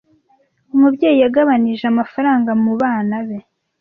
Umubyeyi yagabanije amafaranga mu bana be.